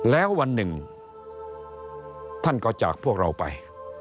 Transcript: แล้ววันหนึ่งท่านก็จากพวกเราไป